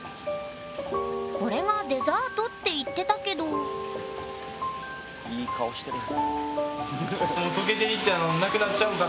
これが「デザート」って言ってたけどいい顔してる。